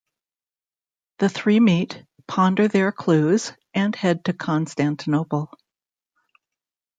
The three meet, ponder their clues, and head to Constantinople.